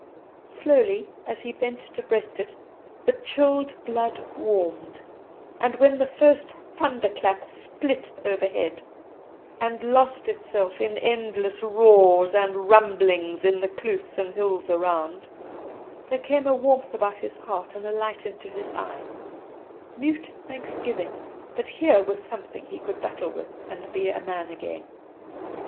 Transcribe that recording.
Slowly, as he bent to breast it, the chilled blood warmed, and when the first thunderclap split overhead, and lost itself in endless roars and rumblings in the kloofs and hills around, there came a warmth about his heart and a light into his eye mute thanksgiving that here was something he could battle with and be a man again.